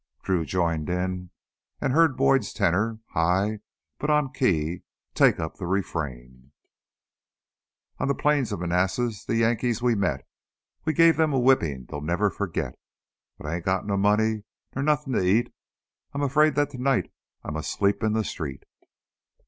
Drew joined in and heard Boyd's tenor, high but on key, take up the refrain: "On the Plains of Manassas the Yankees we met, We gave them a whipping they'll never forget: But I ain't got no money, nor nothin' to eat, I'm afraid that tonight I must sleep in the street."